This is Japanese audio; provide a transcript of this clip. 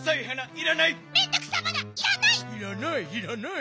いらないいらない！